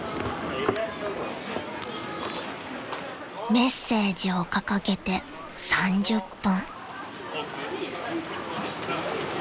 ［メッセージを掲げて３０分］